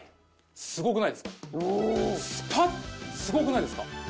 すごくないですか？